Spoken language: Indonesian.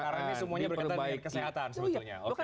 sekarang ini semuanya berkaitan dengan kesehatan